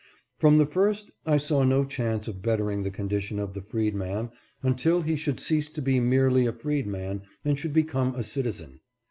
From the first I saw no chance of bettering the condi tion of the freedman until he should cease to be merely a freedman and should become a citizen.